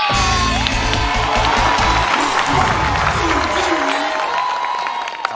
เสียใจ